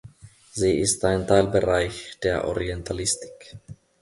Sie ist ein Teilbereich der Orientalistik.